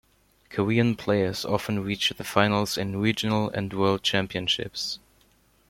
Korean players often reach the finals in regional and world championships.